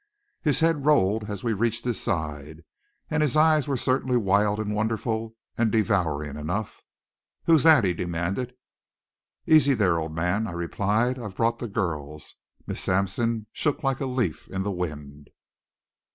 His head rolled as we reached his side, and his eyes were certainly wild and wonderful and devouring enough. "Who's that?" he demanded. "Easy there, old man," I replied. "I've brought the girls." Miss Sampson shook like a leaf in the wind.